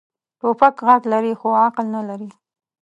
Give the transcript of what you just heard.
توپک غږ لري، خو عقل نه لري.